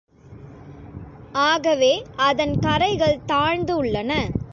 ஆகவே, அதன் கரைகள் தாழ்ந்துள்ளன.